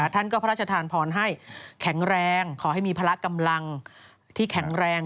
ท่านก็พระราชทานพรให้แข็งแรงขอให้มีพละกำลังที่แข็งแรง